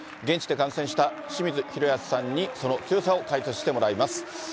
現地で観戦した清水宏保さんに、その強さを解説してもらいます。